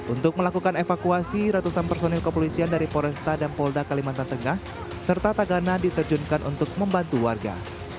untuk melakukan evakuasi ratusan personil kepolisian dari poresta dan polda kalimantan tengah serta tagana diterjunkan untuk membantu warga